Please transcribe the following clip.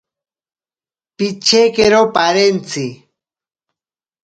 Pichekero parentsi.